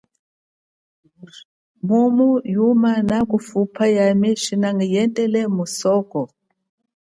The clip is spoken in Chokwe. Mumu wakha yuma nakufupa yami shina nguyendele kusuko?